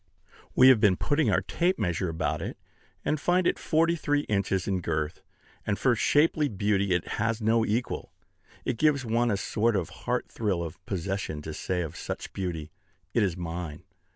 We have been putting our tape measure about it, and find it forty three inches in girth; and for shapely beauty it has no equal. It gives one a sort of heart thrill of possession to say of such beauty, "It is mine."